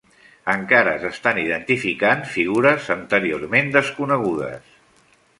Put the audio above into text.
Encara s'estan identificant figures anteriorment desconegudes.